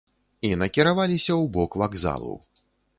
І накіраваліся ў бок вакзалу.